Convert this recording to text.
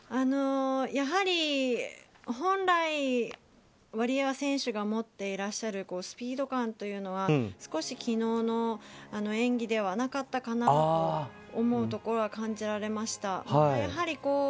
やはり本来、ワリエワ選手が持っていらっしゃるスピード感というのは少し昨日の演技ではなかったかなと思うところは感じられました。